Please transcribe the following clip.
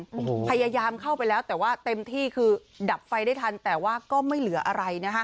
โอ้โหพยายามเข้าไปแล้วแต่ว่าเต็มที่คือดับไฟได้ทันแต่ว่าก็ไม่เหลืออะไรนะฮะ